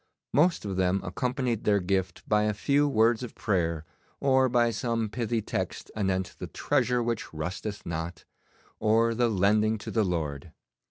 Most of them accompanied their gift by a few words of prayer, or by some pithy text anent the treasure which rusteth not, or the lending to the Lord.